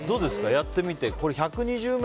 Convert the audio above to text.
やってみて。